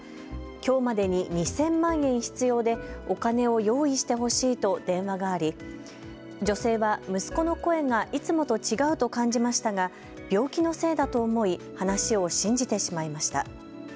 きょうまでに２０００万円必要でお金を用意してほしいと電話があり、女性は息子の声がいつもと違うと感じましたが病気のせいだと思い話を信じてしまいました。